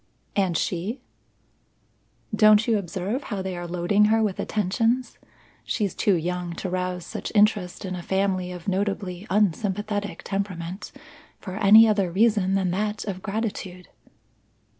"And she?" "Don't you observe how they are loading her with attentions? She's too young to rouse such interest in a family of notably unsympathetic temperament for any other reason than that of gratitude."